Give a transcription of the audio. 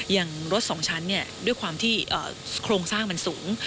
อย่างรถสองชั้นด้วยความที่โครงสร้างมันสูง